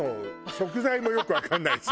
食材もよくわかんないし。